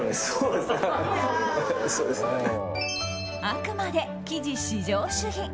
あくまで生地至上主義。